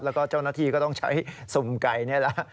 แล้วก็เจ้าหน้าที่ก็ต้องใช้สุ่มไก่นี่แหละ